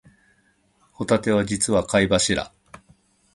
ホタテは実は貝柱